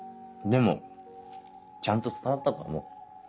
でもちゃんと伝わったと思う。